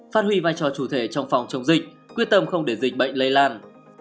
phát huy vai trò chủ thể trong phòng chống dịch quyết tâm không để dịch bệnh lây lan